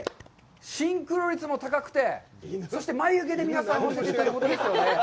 シンクロ率も高くて、そして、眉毛で皆さん合わせてるということですよね。